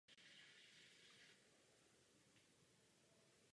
Tak náboženství pomáhá udržet stávající řád a je překážkou v emancipaci lidstva.